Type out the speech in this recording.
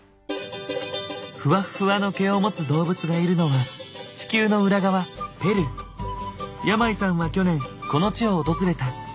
ふわっふわの毛を持つ動物がいるのは地球の裏側山井さんは去年この地を訪れた。